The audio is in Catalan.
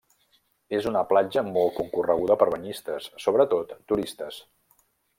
És una platja molt concorreguda per banyistes, sobretot turistes.